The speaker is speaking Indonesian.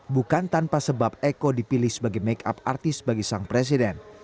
bukan tanpa sebab eko dipilih sebagai make up artis bagi sang presiden